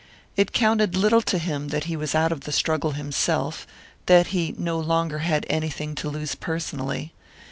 It counted little to him that he was out of the struggle himself; that he no longer had anything to lose personally.